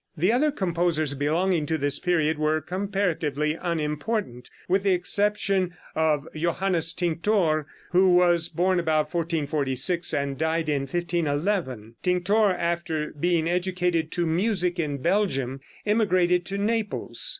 The other composers belonging to this period were comparatively unimportant, with the exception of Johannes Tinctor, who was born about 1446 and died in 1511. Tinctor, after being educated to music in Belgium, emigrated to Naples.